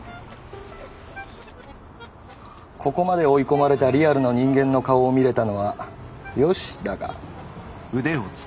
ここまで追い込まれたリアルな人間の顔を見れたのは良しだが。